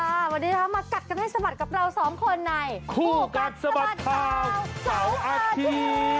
สวัสดีค่ะมากัดกันให้สะบัดกับเราสองคนในคู่กัดสะบัดข่าวเสาร์อาทิตย์